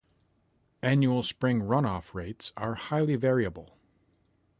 Annual spring run-off rates are highly variable.